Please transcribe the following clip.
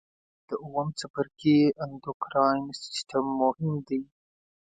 د اووم څپرکي اندورکاین سیستم مهم دی.